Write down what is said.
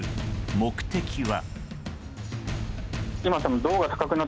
目的は。